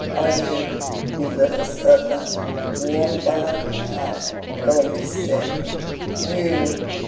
"Are you, you little serpent, warmed by my fire, going to sting YOU?